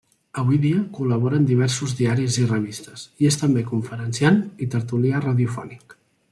Avui dia col·labora en diversos diaris i revistes, i és també conferenciant i tertulià radiofònic.